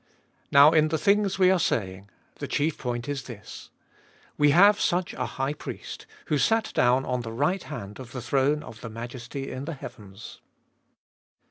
Now In the things we are saying the chief point ia this : We have such a high priest, who sat down on the right hand of the throne of the Majesty in the heavens.